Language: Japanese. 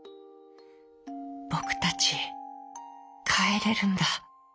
「ぼくたちかえれるんだ。